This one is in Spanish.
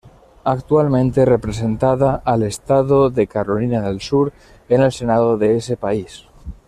Actualmente representada al estado de Carolina del Sur en el Senado de ese país.